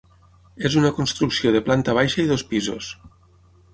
És una construcció de planta baixa i dos pisos.